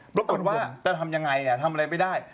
ปรากฏว่าจะทำยังไงทำอะไรไม่ได้